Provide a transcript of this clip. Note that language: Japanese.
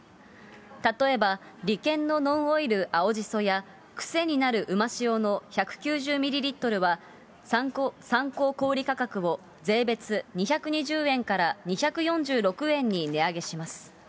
例えばリケンのノンオイル青じそや、くせになるうま塩の１９０ミリリットルは、参考小売価格を税別２２０円から２４６円に値上げします。